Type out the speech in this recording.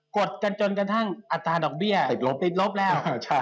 ดกันจนกระทั่งอัตราดอกเบี้ยติดลบติดลบแล้ว